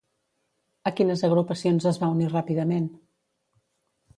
A quines agrupacions es va unir ràpidament?